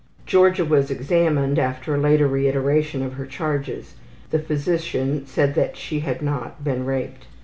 Georgia was examined after a later reiteration of her charges; the physician said that she had not been raped.